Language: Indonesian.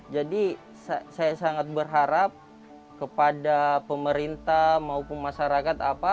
jadi saya sangat berharap kepada pemerintah maupun masyarakat